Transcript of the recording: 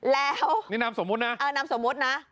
แล้วนี่นามสมมุตินะนามสมมุตินะ